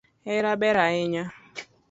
Hera ber ahinya